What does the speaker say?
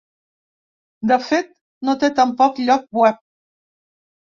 De fet, no té tampoc lloc web.